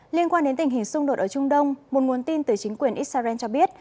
liên quan đến tình hình xung đột ở trung đông một nguồn tin từ chính quyền israel cho biết